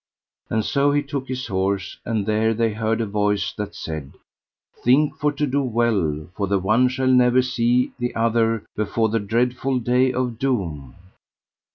And so he took his horse, and there they heard a voice that said: Think for to do well, for the one shall never see the other before the dreadful day of doom.